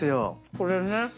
これね。